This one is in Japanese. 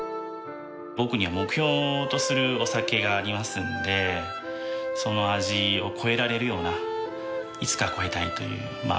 僕には目標とするお酒がありますのでその味を超えられるようないつか超えたいというまあ